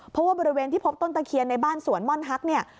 เพราะว่าบริเวณที่พบต้นตะเคียนในบ้านสวนม่อนฮักเนี่ย